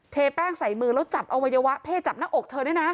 แป้งใส่มือแล้วจับอวัยวะเพศจับหน้าอกเธอด้วยนะ